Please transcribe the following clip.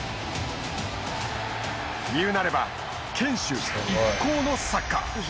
言うなれば、堅守一攻のサッカー。